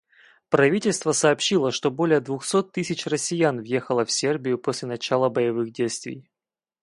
Правительство сообщило, что более двухсот тысяч россиян въехало в Сербию после начала боевых действий